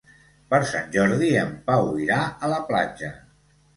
Per Sant Jordi en Pau irà a la platja.